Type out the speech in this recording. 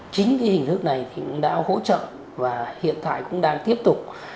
chính hình thức này cũng đã hỗ trợ và hiện tại cũng đang tiếp tục